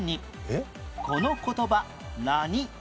この言葉何呑み？